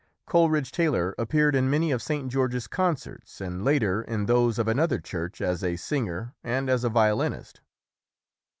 Coleridge Taylor ap peared in many of St. George's concerts and later in those of another church as a singer and as a violinist.